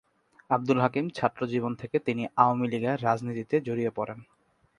আব্দুল হাকিম ছাত্রজীবন থেকে তিনি আওয়ামীলীগের রাজনীতিতে জড়িয়ে পড়েন।